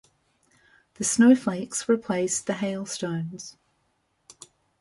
The snowflakes replaced the hailstones.